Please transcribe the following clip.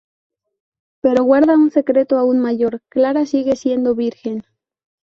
Pero guarda un secreto aún mayor: Clara sigue siendo virgen.